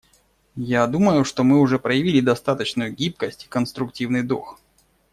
Я думаю, что мы уже проявили достаточную гибкость и конструктивный дух.